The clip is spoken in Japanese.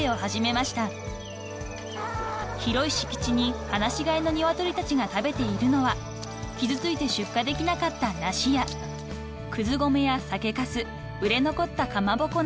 ［広い敷地に放し飼いのニワトリたちが食べているのは傷ついて出荷できなかった梨やくず米や酒かす売れ残ったかまぼこ